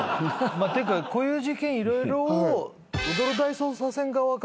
っていうかこういう事件色々を。